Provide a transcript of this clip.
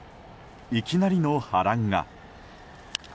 いきなりの波乱が。